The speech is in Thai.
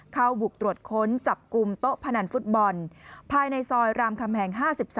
เข้าบุกตรวจค้นจับกลุ่มโต๊ะพนันฟุตบอลภายในซอยรามคำแหง๕๓